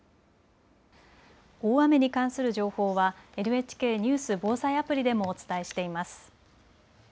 大雨に関する情報はＮＨＫニュース・防災アプリでもお伝えしています。